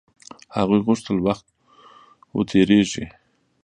هغوی غوښتل وخت و تېريږي.